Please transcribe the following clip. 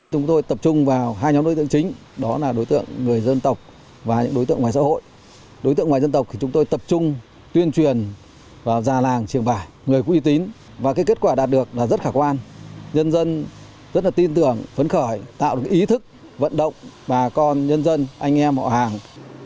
chúng tôi tập trung vào hai nhóm đối tượng chính đó là đối tượng người dân tộc và những đối tượng ngoài xã hội đối tượng ngoài dân tộc thì chúng tôi tập trung tuyên truyền vào già làng trường vải người có uy tín và kết quả đạt được là rất khả quan nhân dân rất là tin tưởng phấn khởi tạo được ý thức vận động bà con nhân dân anh em họ hàng